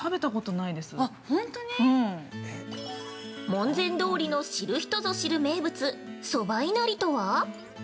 ◆門前通りの知る人ぞ知る名物「そばいなり」とは？